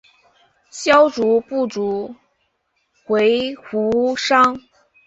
萧族部族回鹘裔。